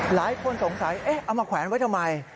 หลายคนสงสัยเอามาแขวนไว้ทำไม